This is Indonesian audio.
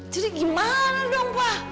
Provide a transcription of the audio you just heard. jadi gimana dong pa